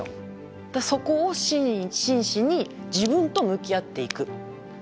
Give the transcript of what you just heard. そこを真摯に自分と向き合っていく。